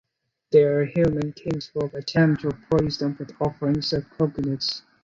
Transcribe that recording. Their human kinsfolk attempt to appease them with offerings of coconuts.